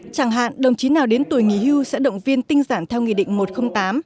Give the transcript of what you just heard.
chẳng hạn đồng chí nào đến tuổi nghỉ hưu sẽ động viên tinh giản theo nghị định một trăm linh tám